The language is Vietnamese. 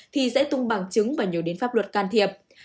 thì sẽ tung bằng chứng và nhớ đến pháp luật can thiệp